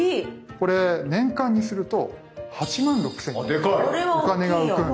これ年間にすると８万６，０００円のお金が浮くんですね。